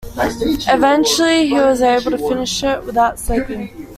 Eventually, he was able to finish it without sleeping.